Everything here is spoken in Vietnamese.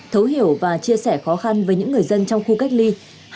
thấu hiểu và chia sẻ khó khăn với những người dân trong khu cách ly